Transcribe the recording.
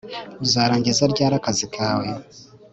Uzarangiza ryari akazi kawe